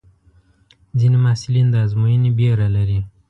ځینې محصلین د ازموینې وېره لري.